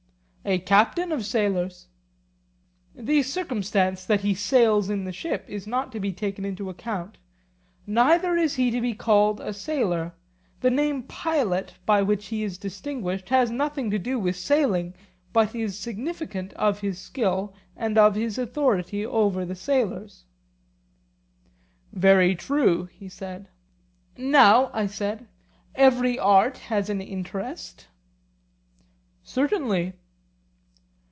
A captain of sailors. The circumstance that he sails in the ship is not to be taken into account; neither is he to be called a sailor; the name pilot by which he is distinguished has nothing to do with sailing, but is significant of his skill and of his authority over the sailors. Very true, he said. Now, I said, every art has an interest? Certainly.